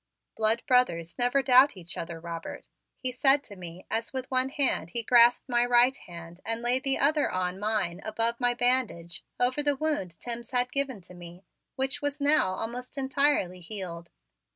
"Blood brothers never doubt each other, Robert," he said to me as with one hand he grasped my right hand and laid the other on my above my bandage, over the wound Timms had given to me, which was now almost entirely healed.